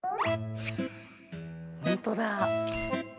本当だ。